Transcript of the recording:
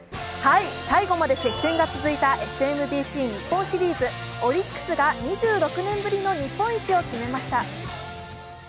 最後まで接戦が続いたＳＭＢＣ日本シリーズオリックスが２６年ぶりの日本一を決めました。